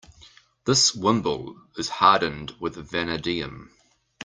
This wimble is hardened with vanadium.